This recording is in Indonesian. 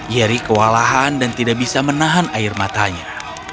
yeri kewalahan dan tidak bisa menahan air matanya